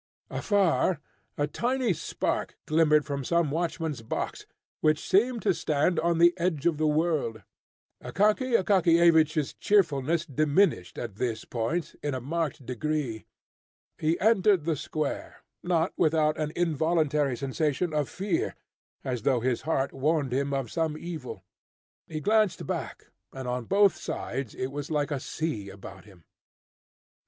Afar, a tiny spark glimmered from some watchman's box, which seemed to stand on the edge of the world. Akaky Akakiyevich's cheerfulness diminished at this point in a marked degree. He entered the square, not without an involuntary sensation of fear, as though his heart warned him of some evil. He glanced back, and on both sides it was like a sea about him.